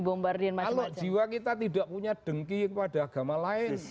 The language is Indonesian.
kalau jiwa kita tidak punya dengki kepada agama lain